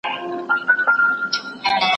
پرته له نسخې درمل اخیستل کیږي؟